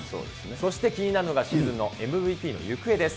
そして、気になるのがシーズンのＭＶＰの行方です。